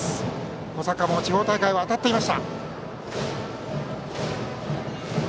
保坂も地方大会では当たっていました。